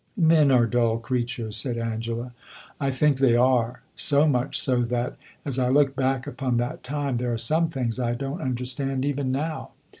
"Men are dull creatures," said Angela. "I think they are. So much so that, as I look back upon that time, there are some things I don't understand even now."